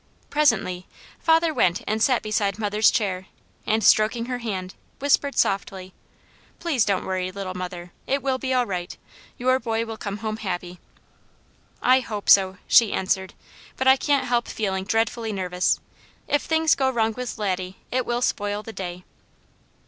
Presently father went and sat beside mother's chair, and stroking her hand, whispered softly: "Please don't worry, little mother. It will be all right. Your boy will come home happy." "I hope so," she answered, "but I can't help feeling dreadfully nervous. If things go wrong with Laddie, it will spoil the day."